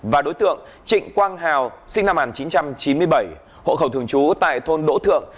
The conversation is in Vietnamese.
và đối tượng trịnh quang hào sinh năm một nghìn chín trăm chín mươi bảy hộ khẩu thường trú tại thôn đỗ thượng